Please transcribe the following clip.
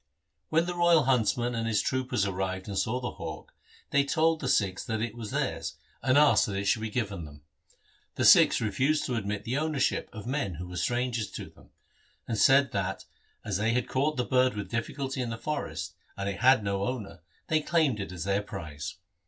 When the royal huntsman and his troopers arrived and saw the hawk, they told the Sikhs that it was theirs, and asked that it should be given them. The Sikhs refused to admit the ownership of men who were strangers to them, and said that, as they had caught the bird with difficulty in the forest, and it had no owner, they claimed it as their prize.